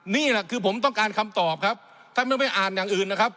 นี่คือผมต้องการคำตอบครับถ้าไม่อ่านอย่างอื่นนะครับ